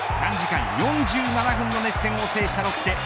３時間４７分の熱戦を制したロッテ。